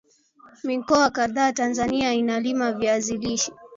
mikoa kadhaa Tanzania inalima viazi lishe